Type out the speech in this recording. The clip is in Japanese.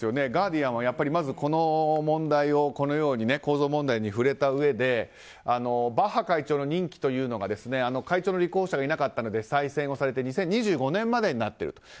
ガーディアンはまず、この問題について構造問題に触れたうえでバッハ会長の任期というのが会長の立候補者がいなかったので再選されて２０２５年までになっていると。